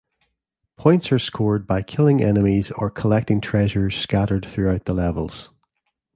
Points are scored by killing enemies or collecting treasures scattered throughout the levels.